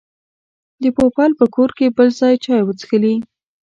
د پوپل په کور کې بل ځل چای وڅښلې.